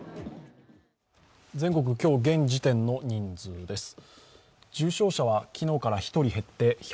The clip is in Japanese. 全国、今日現時点の人数です。